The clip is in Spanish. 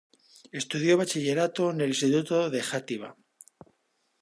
Estudió bachillerato en el Instituto de Játiva.